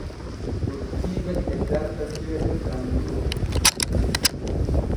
Dottiiɓe e darta ceede gam wuro.